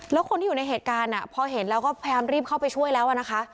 แล้วคนที่อยู่ในเหตุการณ์พอเห็นแล้วก็พยายามรีบเข้าไปช่วยแล้วนะคะ